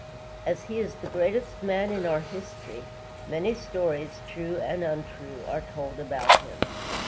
As he is the greatest man in our history, many stories, true and untrue, are told about him.